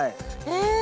え？